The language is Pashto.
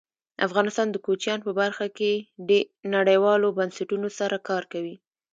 افغانستان د کوچیان په برخه کې نړیوالو بنسټونو سره کار کوي.